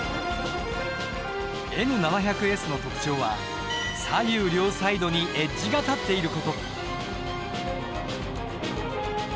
Ｎ７００Ｓの特徴は左右両サイドにエッジが立っている事。